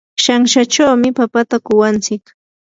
shanshachawmi papata kuwantsik.